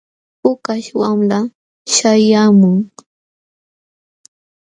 Pukaśh wamla śhayaamun.